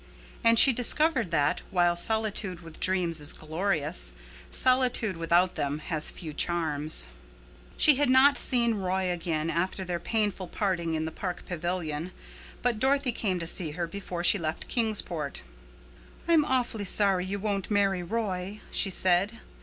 And she discovered that, while solitude with dreams is glorious, solitude without them has few charms. She had not seen Roy again after their painful parting in the park pavilion; but Dorothy came to see her before she left Kingsport. "I'm awfully sorry you won't marry Roy," she said.